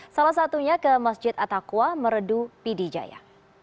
salah satunya ke masjid atakwa merdu pidijaya